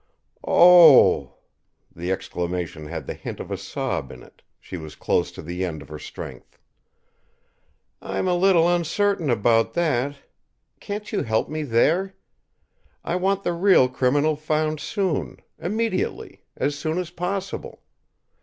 "Oh h h!" The exclamation had the hint of a sob in it; she was close to the end of her strength. "I'm a little uncertain about that. Can't you help me there? I want the real criminal found soon, immediately, as soon as possible.